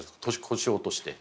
腰を落として。